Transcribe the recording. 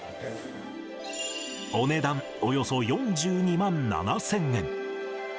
お値段およそ４２万７０００円。